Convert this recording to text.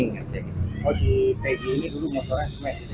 peggy ini dulu motornya smash